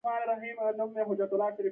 جهان خان ادینه بېګ خان هم خپه کړ.